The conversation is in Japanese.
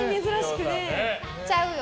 ちゃうよ。